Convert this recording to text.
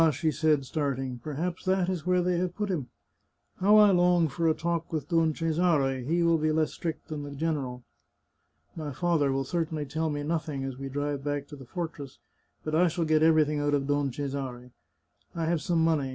she said, starting, " perhaps that is where they have put him! How I long for a talk with Don Ce sare ; he will be less strict than the general. My father will certainly tell me nothing as we drive back to the fortress, but I shall get everything out of Don Cesare. I have some money.